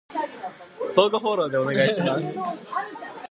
相互フォローでお願いします